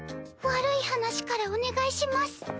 悪い話からお願いします。